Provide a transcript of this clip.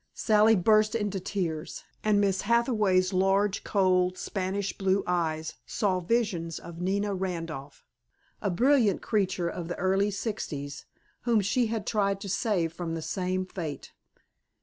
Sally burst into tears, and Miss Hathaway's large cold Spanish blue eyes saw visions of Nina Randolph, a brilliant creature of the early sixties, whom she had tried to save from the same fate.